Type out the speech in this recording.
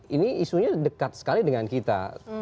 ini isunya dekat sekali dengan kita